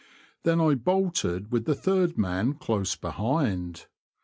Then I bolted with the third man close behind.